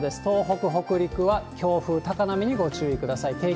東北、北陸は強風、高波にご注意ください。